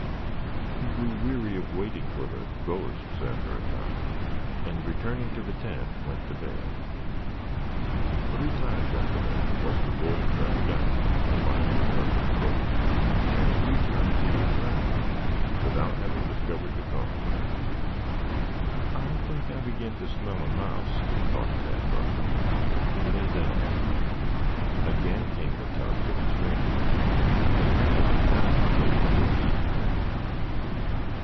He grew weary of waiting for the "ghosts," after a time, and returning to the tent went to bed. Three times after that was the boy dragged out by a violent tug at the rope, and three times did he return without having discovered the cause. "I think I begin to smell a mouse," thought Tad Butler. He lay down. Again came the tugs at the string. But Tad apparently gave no heed to them.